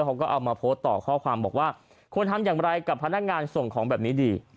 เขาก็เอามาโพสต์ต่อข้อความบอกว่าควรทำอย่างไรกับพนักงานส่งของแบบนี้ดี